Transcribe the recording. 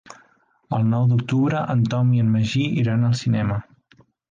El nou d'octubre en Tom i en Magí iran al cinema.